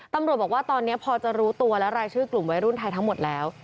ตำรวจบอกว่าตอนนี้พอจะรู้ตัวและรายชื่อกลุ่มวัยรุ่นไทยทั้งหมดแล้ว